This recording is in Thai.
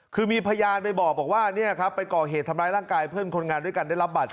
คือมีพยานไปบอกว่าเนี่ยครับไปก่อเหตุทำร้ายร่างกายเพื่อนคนงานด้วยกันได้รับบาดเจ็บ